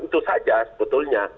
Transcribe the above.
itu saja sebetulnya